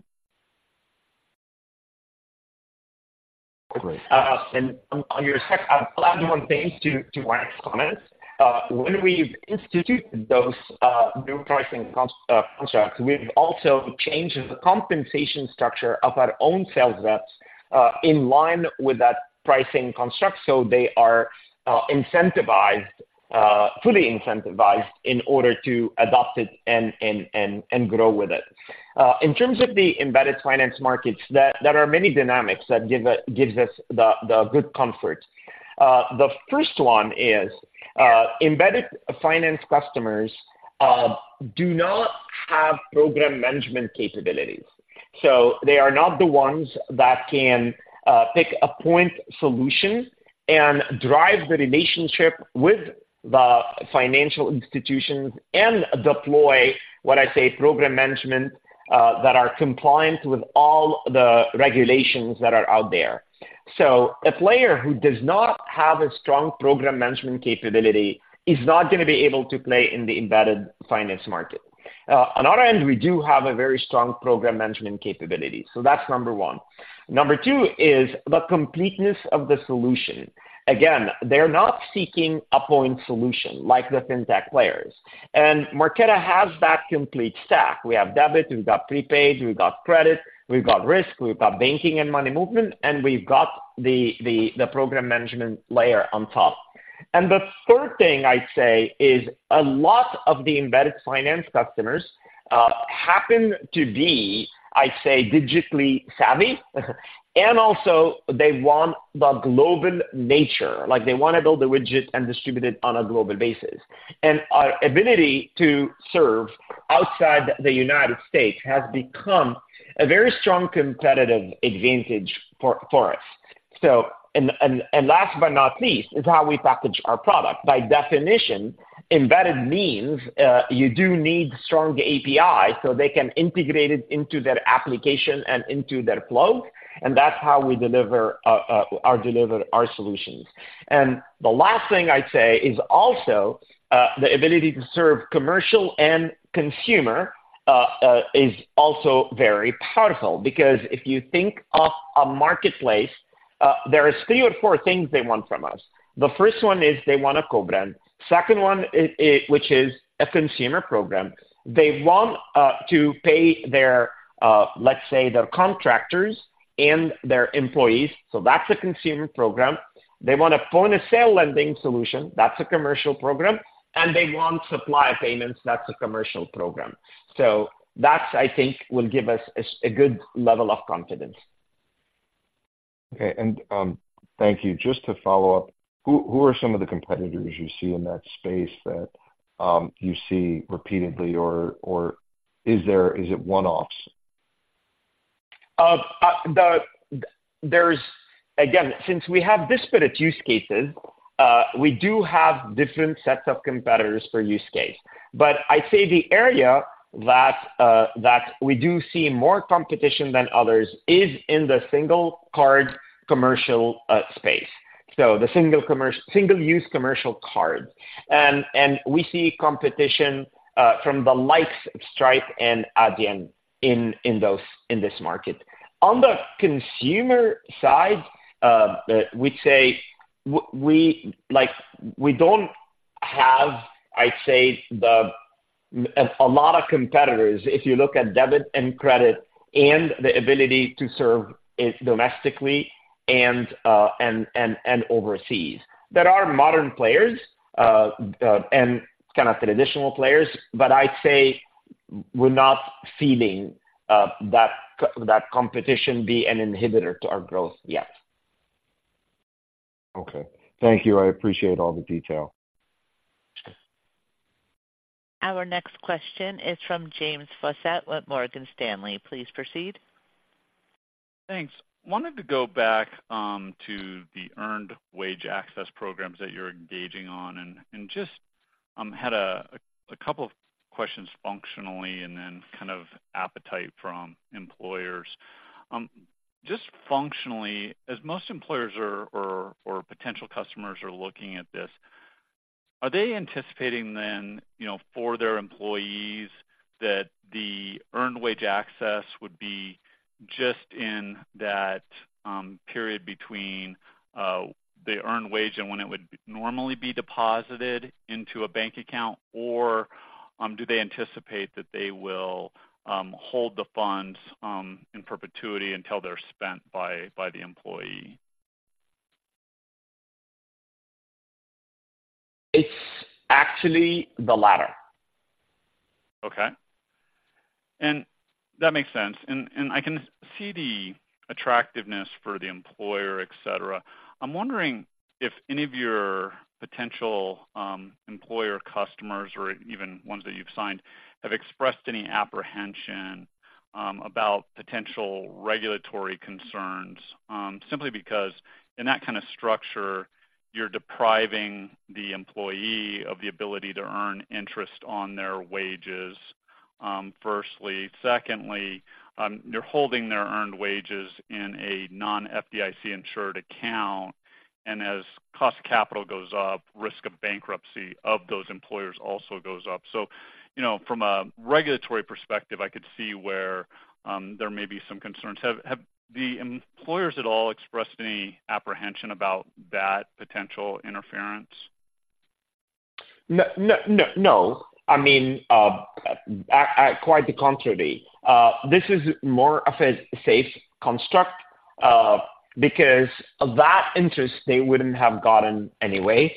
[SPEAKER 3] And on your second, I'm glad you want to, thanks to Mark's comments. When we've instituted those new pricing constructs, we've also changed the compensation structure of our own sales reps in line with that pricing construct. So they are incentivized, fully incentivized in order to adopt it and grow with it. In terms of the embedded finance markets, there are many dynamics that give us the good comfort. The first one is, embedded finance customers do not have program management capabilities. So they are not the ones that can pick a point solution and drive the relationship with the financial institutions and deploy what I say program management that are compliant with all the regulations that are out there. So a player who does not have a strong program management capability is not going to be able to play in the embedded finance market. On our end, we do have a very strong program management capability. So that's number one. Number two is the completeness of the solution. Again, they're not seeking a point solution like the fintech players, and Marqeta has that complete stack. We have debit, we've got prepaid, we've got credit, we've got risk, we've got banking and money movement, and we've got the program management layer on top. And the third thing I'd say is a lot of the embedded finance customers happen to be, I'd say, digitally savvy, and also they want the global nature. Like, they want to build a widget and distribute it on a global basis. Our ability to serve outside the United States has become a very strong competitive advantage for us. Last but not least, is how we package our product. By definition, embedded means you do need strong API, so they can integrate it into their application and into their flow, and that's how we deliver our solutions. The last thing I'd say is also the ability to serve commercial and consumer is also very powerful, because if you think of a marketplace, there are three or four things they want from us. The first one is they want a co-brand. Second one, which is a consumer program. They want to pay their, let's say, their contractors and their employees, so that's a consumer program. They want a point-of-sale lending solution, that's a commercial program. And they want supplier payments, that's a commercial program. So that's, I think, will give us a good level of confidence.
[SPEAKER 12] Okay, and thank you. Just to follow up, who are some of the competitors you see in that space that you see repeatedly or is it one-offs?
[SPEAKER 3] There's... Again, since we have disparate use cases, we do have different sets of competitors per use case. But I'd say the area that we do see more competition than others is in the single card commercial space. So the single-use commercial card. And we see competition from the likes of Stripe and Adyen in this market. On the consumer side, we'd say, like, we don't have, I'd say, a lot of competitors, if you look at debit and credit and the ability to serve it domestically and overseas. There are modern players and kind of traditional players, but I'd say we're not feeling that competition be an inhibitor to our growth yet.
[SPEAKER 12] Okay. Thank you. I appreciate all the detail.
[SPEAKER 1] Our next question is from James Faucette with Morgan Stanley. Please proceed.
[SPEAKER 13] Thanks. Wanted to go back to the earned wage access programs that you're engaging on, and just had a couple of questions functionally and then kind of appetite from employers. Just functionally, as most employers or potential customers are looking at this, are they anticipating then, you know, for their employees, that the earned wage access would be just in that period between the earned wage and when it would normally be deposited into a bank account? Or do they anticipate that they will hold the funds in perpetuity until they're spent by the employee?
[SPEAKER 3] It's actually the latter....
[SPEAKER 13] Okay. And that makes sense, and I can see the attractiveness for the employer, et cetera. I'm wondering if any of your potential employer customers or even ones that you've signed have expressed any apprehension about potential regulatory concerns. Simply because in that kind of structure, you're depriving the employee of the ability to earn interest on their wages, firstly. Secondly, you're holding their earned wages in a non-FDIC insured account, and as cost of capital goes up, risk of bankruptcy of those employers also goes up. So, you know, from a regulatory perspective, I could see where there may be some concerns. Have the employers at all expressed any apprehension about that potential interference?
[SPEAKER 3] No, I mean, quite the contrary. This is more of a safe construct, because that interest they wouldn't have gotten anyway.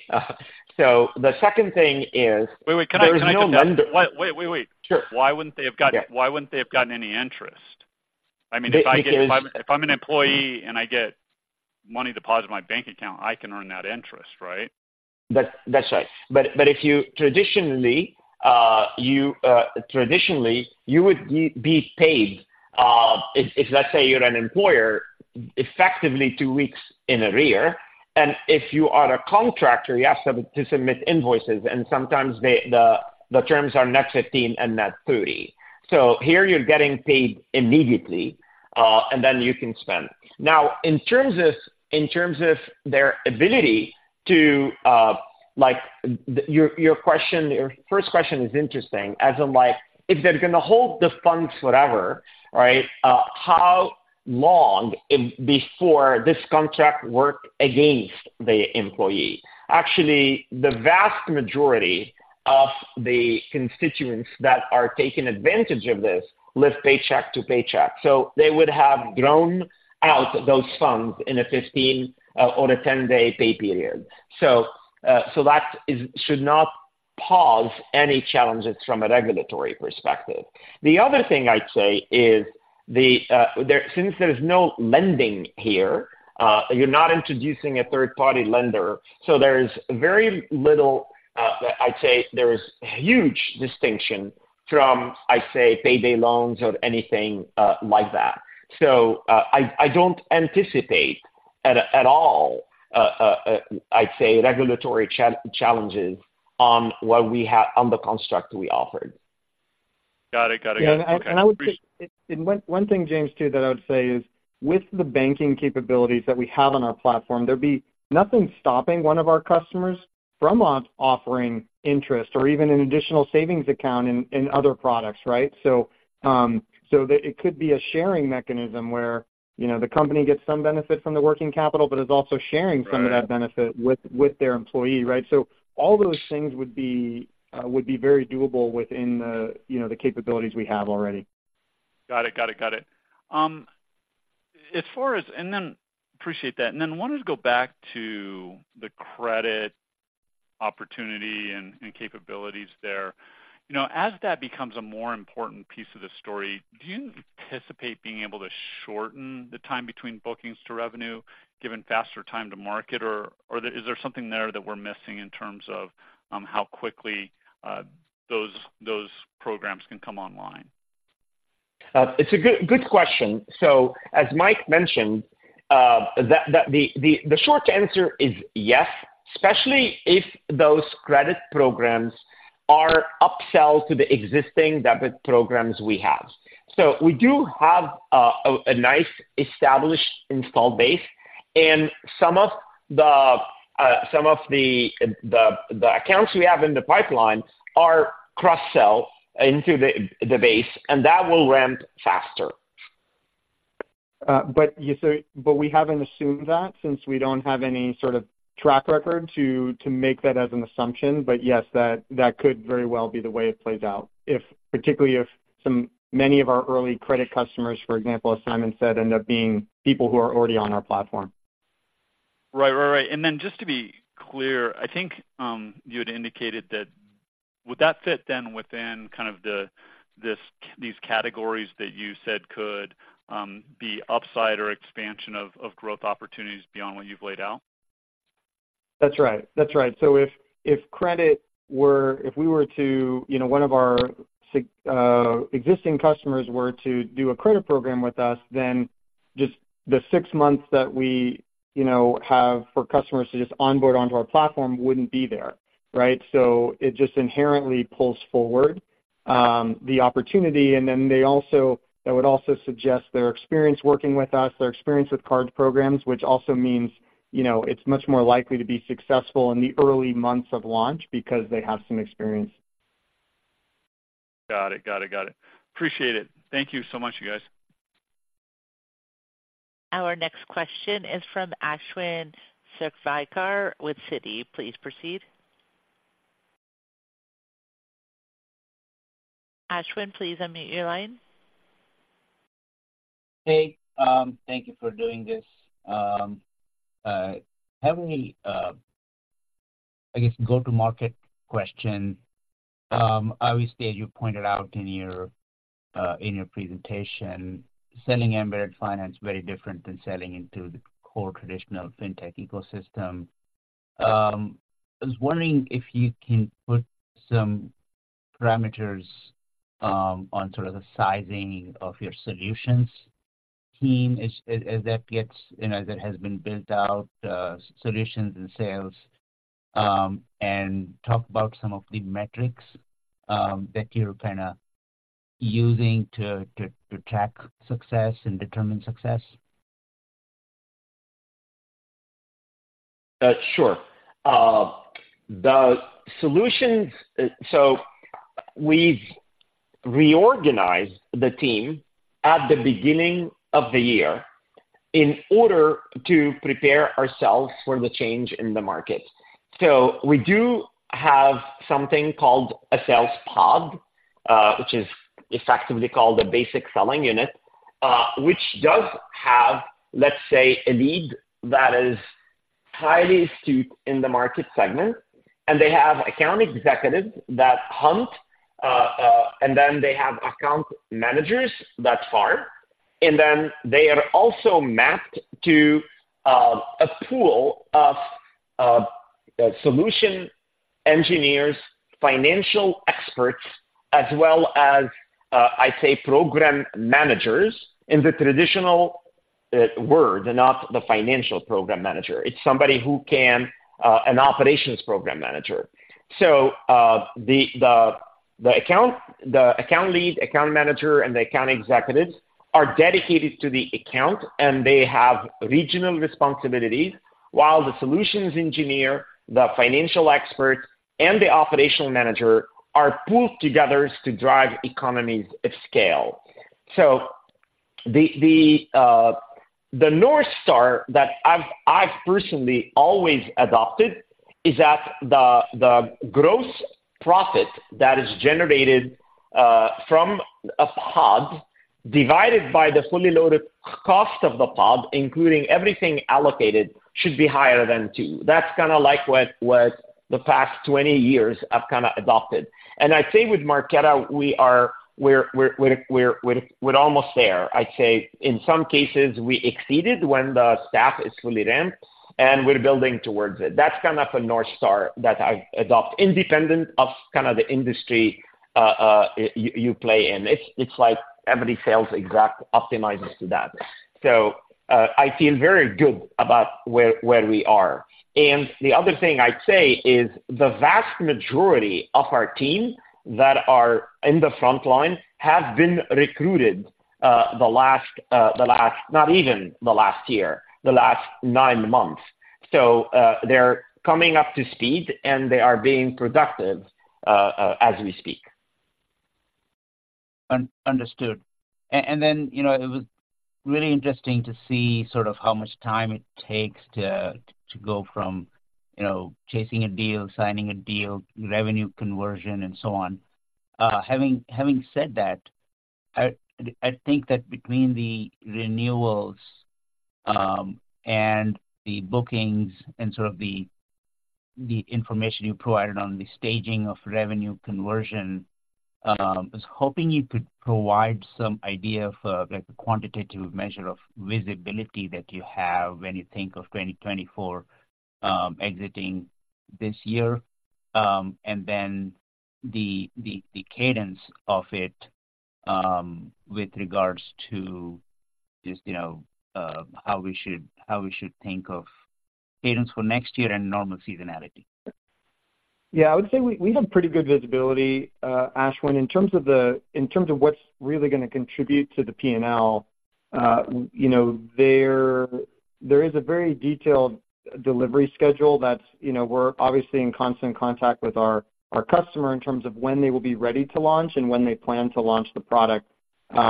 [SPEAKER 3] So the second thing is-
[SPEAKER 13] Wait, wait, can I, can I cut in?
[SPEAKER 3] There is no lender-
[SPEAKER 13] Wait, wait, wait.
[SPEAKER 3] Sure.
[SPEAKER 13] Why wouldn't they have gotten-
[SPEAKER 3] Yeah.
[SPEAKER 13] Why wouldn't they have gotten any interest? I mean, if I get... If I'm an employee and I get money deposited in my bank account, I can earn that interest, right?
[SPEAKER 3] That's right. But if you traditionally you would be paid, if let's say you're an employer, effectively two weeks in a year, and if you are a contractor, you ask them to submit invoices, and sometimes the terms are net 15 and net 30. So here you're getting paid immediately, and then you can spend. Now, in terms of their ability to, like, your first question is interesting, as in, like, if they're gonna hold the funds, whatever, right? How long before this contract work against the employee? Actually, the vast majority of the constituents that are taking advantage of this live paycheck to paycheck, so they would have drawn out those funds in a 15- or 10-day pay period. That should not pose any challenges from a regulatory perspective. The other thing I'd say is that since there's no lending here, you're not introducing a third-party lender, so there's very little. I'd say there is huge distinction from payday loans or anything like that. So, I don't anticipate at all regulatory challenges on what we have on the construct we offered.
[SPEAKER 13] Got it. Got it.
[SPEAKER 5] Yeah, and I would say one thing, James, too, that I would say is, with the banking capabilities that we have on our platform, there'd be nothing stopping one of our customers from offering interest or even an additional savings account in other products, right? So, so it could be a sharing mechanism where, you know, the company gets some benefit from the working capital, but is also sharing some of that benefit with their employee, right? So all those things would be very doable within the, you know, the capabilities we have already.
[SPEAKER 13] Got it. Got it. Got it. As far as... And then, appreciate that. And then I wanted to go back to the credit opportunity and capabilities there. You know, as that becomes a more important piece of the story, do you anticipate being able to shorten the time between bookings to revenue, given faster time to market? Or is there something there that we're missing in terms of how quickly those programs can come online?
[SPEAKER 3] It's a good, good question. So as Mike mentioned, the short answer is yes, especially if those credit programs are upsells to the existing debit programs we have. So we do have a nice established installed base, and some of the accounts we have in the pipeline are cross-sell into the base, and that will ramp faster.
[SPEAKER 5] But you say—but we haven't assumed that since we don't have any sort of track record to make that as an assumption. But yes, that could very well be the way it plays out. If, particularly if many of our early credit customers, for example, as Simon said, end up being people who are already on our platform.
[SPEAKER 13] Right. Right, right. And then just to be clear, I think, you had indicated that, would that fit then within kind of the, this, these categories that you said could, be upside or expansion of, of growth opportunities beyond what you've laid out?
[SPEAKER 5] That's right. That's right. So if we were to, you know, one of our existing customers were to do a credit program with us, then just the six months that we, you know, have for customers to just onboard onto our platform wouldn't be there, right? So it just inherently pulls forward the opportunity. And then they also—that would also suggest their experience working with us, their experience with card programs, which also means, you know, it's much more likely to be successful in the early months of launch because they have some experience.
[SPEAKER 13] Got it. Got it, got it. Appreciate it. Thank you so much, you guys.
[SPEAKER 1] Our next question is from Ashwin Shirvarkar with Citi. Please proceed. Ashwin, please unmute your line....
[SPEAKER 14] Hey, thank you for doing this. I guess go-to-market question. Obviously, as you pointed out in your presentation, selling embedded finance is very different than selling into the core traditional fintech ecosystem. I was wondering if you can put some parameters on sort of the sizing of your solutions team as that gets, you know, that has been built out, solutions and sales, and talk about some of the metrics that you're kind of using to track success and determine success.
[SPEAKER 3] Sure. The solutions. So we've reorganized the team at the beginning of the year in order to prepare ourselves for the change in the market. So we do have something called a sales pod, which is effectively called a basic selling unit, which does have, let's say, a lead that is highly astute in the market segment, and they have account executives that hunt, and then they have account managers that farm. And then they are also mapped to a pool of solution engineers, financial experts, as well as I say, program managers in the traditional word, and not the financial program manager. It's somebody who can... an operations program manager. So, the account lead, account manager, and the account executives are dedicated to the account, and they have regional responsibilities, while the solutions engineer, the financial expert, and the operational manager are pooled together to drive economies of scale. So the North Star that I've personally always adopted is that the gross profit that is generated from a pod divided by the fully loaded cost of the pod, including everything allocated, should be higher than 2. That's kind of like what the past 20 years I've kind of adopted. And I'd say with Marqeta, we are—we're almost there. I'd say in some cases, we exceeded when the staff is fully ramped, and we're building towards it. That's kind of a North Star that I adopt independent of kind of the industry, you play in. It's like every sales exec optimizes to that. So, I feel very good about where we are. And the other thing I'd say is the vast majority of our team that are in the frontline have been recruited the last – not even the last year, the last nine months. So, they're coming up to speed, and they are being productive as we speak.
[SPEAKER 14] Understood. And then, you know, it was really interesting to see sort of how much time it takes to go from, you know, chasing a deal, signing a deal, revenue conversion, and so on. Having said that, I think that between the renewals and the bookings and sort of the information you provided on the staging of revenue conversion, I was hoping you could provide some idea of, like, the quantitative measure of visibility that you have when you think of 2024, exiting this year. And then the cadence of it, with regards to just, you know, how we should think of cadence for next year and normal seasonality.
[SPEAKER 5] Yeah, I would say we have pretty good visibility, Ashwin, in terms of what's really gonna contribute to the P&L. You know, there is a very detailed delivery schedule that's... You know, we're obviously in constant contact with our customer in terms of when they will be ready to launch and when they plan to launch the product. And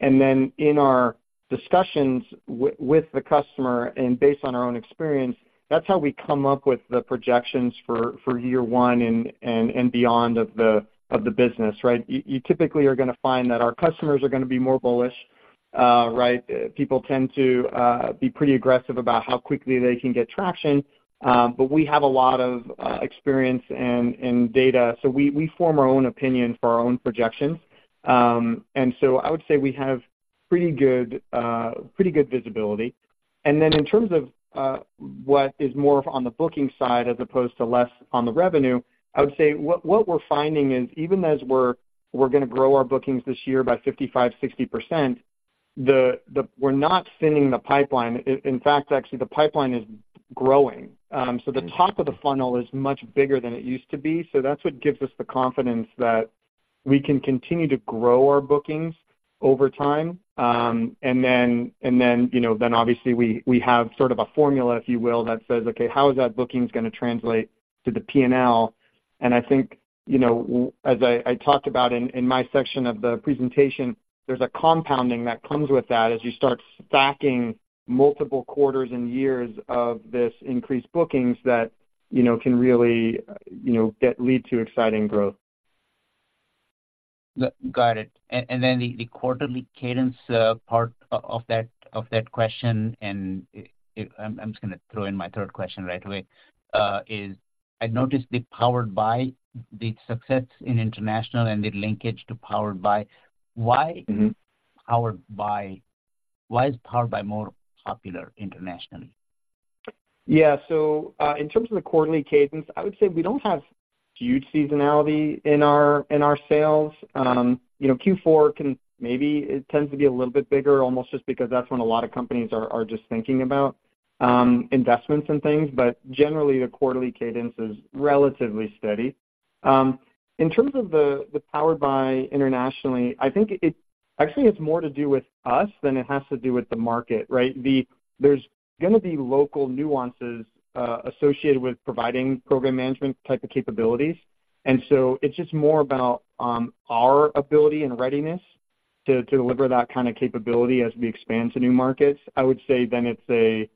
[SPEAKER 5] then in our discussions with the customer and based on our own experience, that's how we come up with the projections for year one and beyond of the business, right? You typically are gonna find that our customers are gonna be more bullish, right? People tend to be pretty aggressive about how quickly they can get traction, but we have a lot of experience and data, so we form our own opinion for our own projections. And so I would say we have pretty good visibility. And then in terms of what is more on the booking side as opposed to less on the revenue, I would say what we're finding is, even as we're gonna grow our bookings this year by 55%-60%, we're not thinning the pipeline. In fact, actually, the pipeline is growing. So the top of the funnel is much bigger than it used to be, so that's what gives us the confidence that we can continue to grow our bookings over time. And then, you know, then obviously we have sort of a formula, if you will, that says, "Okay, how is that bookings gonna translate to the P&L?" And I think, you know, as I talked about in my section of the presentation, there's a compounding that comes with that as you start stacking multiple quarters and years of this increased bookings that, you know, can really, you know, lead to exciting growth. ...
[SPEAKER 14] Got it. And then the quarterly cadence, part of that question, and I'm just gonna throw in my third question right away, is I noticed the Powered by success in international and the linkage to Powered by. Why-
[SPEAKER 3] Mm-hmm.
[SPEAKER 14] -Powered by? Why is Powered by more popular internationally?
[SPEAKER 3] Yeah. So, in terms of the quarterly cadence, I would say we don't have huge seasonality in our sales. You know, Q4 can maybe it tends to be a little bit bigger, almost just because that's when a lot of companies are just thinking about investments and things. But generally, the quarterly cadence is relatively steady. In terms of the powered by internationally, I think it actually, it's more to do with us than it has to do with the market, right? There's gonna be local nuances, associated with providing program management type of capabilities, and so it's just more about our ability and readiness to deliver that kind of capability as we expand to new markets. I would say then it's a,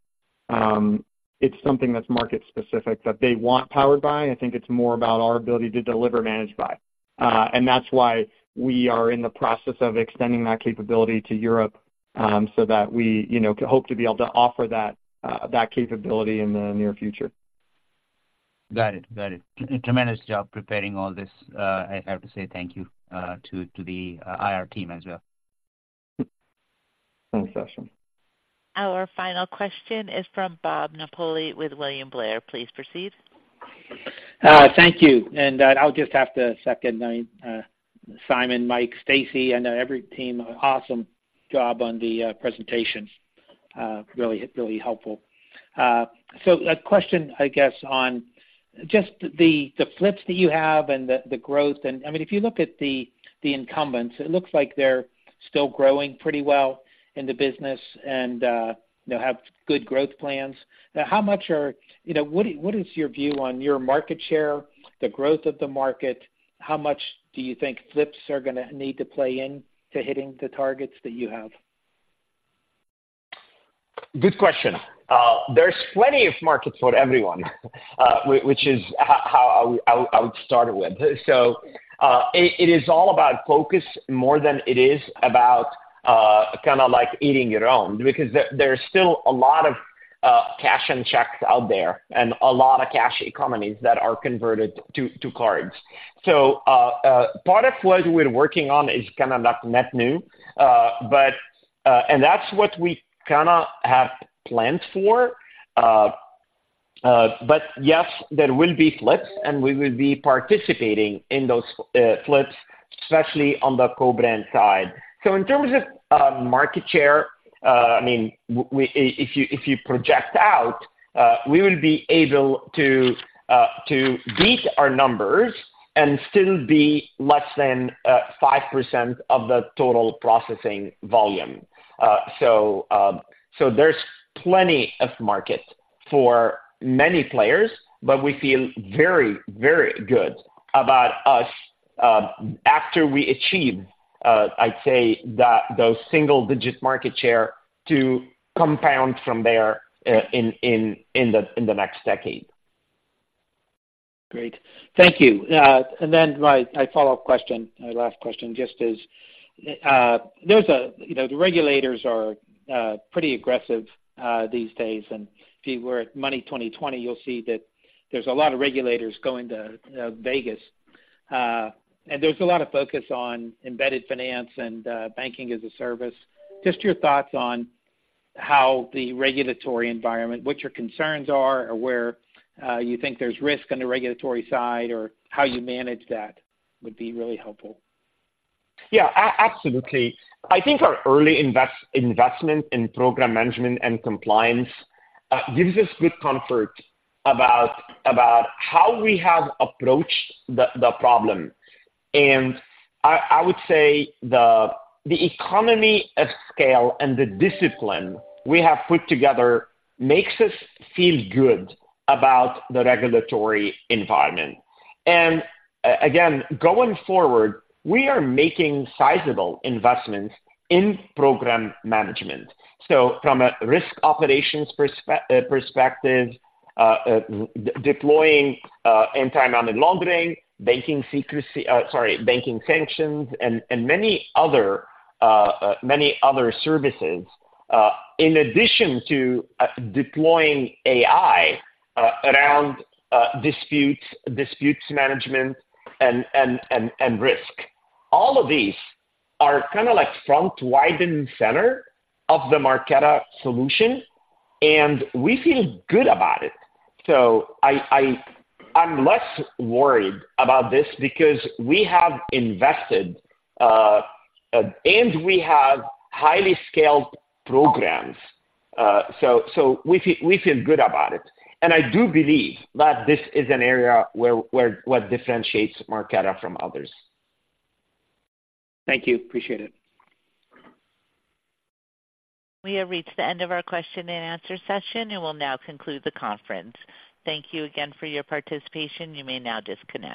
[SPEAKER 3] it's something that's market-specific, that they want powered by. I think it's more about our ability to deliver Managed by. That's why we are in the process of extending that capability to Europe, so that we, you know, hope to be able to offer that, that capability in the near future.
[SPEAKER 14] Got it. Got it. Tremendous job preparing all this. I have to say thank you to the IR team as well.
[SPEAKER 3] Thanks, Ashwi.
[SPEAKER 1] Our final question is from Bob Napoli with William Blair. Please proceed.
[SPEAKER 15] Thank you. And, I'll just have to second, I, Simon, Mike, Stacey, and every team, awesome job on the, presentations. Really, really helpful. So a question, I guess, on just the, the flips that you have and the, the growth. And I mean, if you look at the, the incumbents, it looks like they're still growing pretty well in the business and, you know, have good growth plans. Now, how much are... You know, what is, what is your view on your market share, the growth of the market? How much do you think flips are gonna need to play in to hitting the targets that you have?
[SPEAKER 3] Good question. There's plenty of markets for everyone, which is how I would start with. So, it is all about focus more than it is about kind of like eating your own, because there's still a lot of cash and checks out there and a lot of cash companies that are converted to cards. So, part of what we're working on is kind of like net new, but and that's what we kinda have planned for. But yes, there will be flips, and we will be participating in those flips, especially on the co-brand side. So in terms of market share, I mean, if you project out, we will be able to beat our numbers and still be less than 5% of the total processing volume. So there's plenty of markets for many players, but we feel very, very good about us after we achieve, I'd say, those single-digit market share to compound from there, in the next decade.
[SPEAKER 15] Great. Thank you. And then my follow-up question, my last question, just is, there's, you know, the regulators are pretty aggressive these days, and if you were at Money 20/20, you'll see that there's a lot of regulators going to Vegas. And there's a lot of focus on embedded finance and banking as a service. Just your thoughts on how the regulatory environment, what your concerns are or where you think there's risk on the regulatory side or how you manage that, would be really helpful.
[SPEAKER 3] Yeah, absolutely. I think our early investment in program management and compliance gives us good comfort about how we have approached the problem. And I would say the economy of scale and the discipline we have put together makes us feel good about the regulatory environment. And again, going forward, we are making sizable investments in program management. So from a risk operations perspective, deploying anti-money laundering, banking secrecy. Sorry, banking sanctions, and many other services, in addition to deploying AI around disputes management and risk. All of these are kind of like front, wide, and center of the Marqeta solution, and we feel good about it. So I'm less worried about this because we have invested and we have highly scaled programs, so we feel good about it. And I do believe that this is an area where what differentiates Marqeta from others.
[SPEAKER 15] Thank you. Appreciate it.
[SPEAKER 1] We have reached the end of our question and answer session and will now conclude the conference. Thank you again for your participation. You may now disconnect.